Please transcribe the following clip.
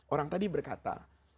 orang tadi berkata